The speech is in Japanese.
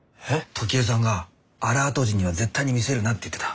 トキエさんがアラート人には絶対に見せるなって言ってた。